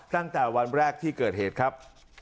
ตั้งแต่วันแรกที่เกิดเหตุครับ